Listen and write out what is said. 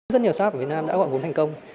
rất nhiều sáp ở việt nam đã gọi vốn thành công